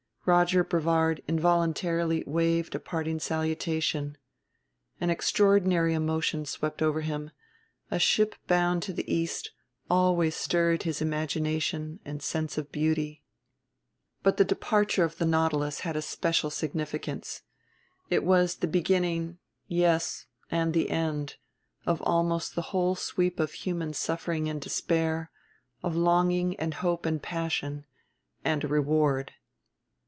Roger Brevard involuntarily waved a parting salutation. An extraordinary emotion swept over him: a ship bound to the East always stirred his imagination and sense of beauty, but the departure of the Nautilus had a special significance. It was the beginning, yes, and the end, of almost the whole sweep of human suffering and despair, of longing and hope and passion, and a reward.